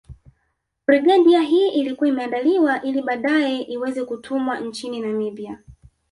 Brigedia hii ilikuwa imeandaliwa ili baadae iweze kutumwa nchini Namibia